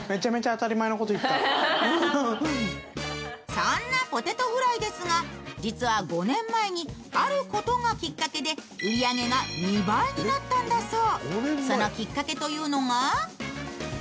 そんなポテトフライですが、実は５年前にあることがきっかけで、売り上げが２倍になったんだそう。